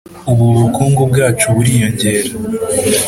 ubu ubukungu bwacu buriyongera